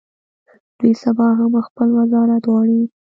دوی سبا هم خپل وزارت غواړي.